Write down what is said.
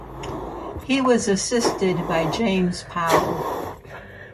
He was assisted by James Powell.